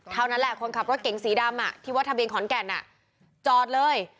เท่านั้นแหละคนขับรถเก๋งสีดำที่วัดทะเบียนขอนแก่นจอดเลย